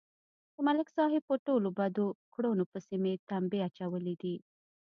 د ملک صاحب په ټولو بدو کړنو پسې مې تمبې اچولې دي